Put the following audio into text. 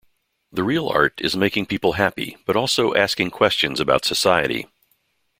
The real art is making people happy, but also asking questions about society.